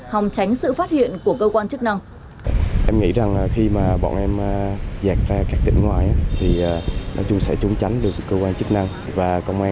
hòng tránh sự phát hiện của cơ quan chức năng